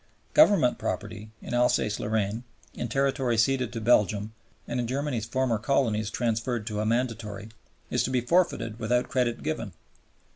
Government property in Alsace Lorraine, in territory ceded to Belgium, and in Germany's former colonies transferred to a Mandatory, is to be forfeited without credit given.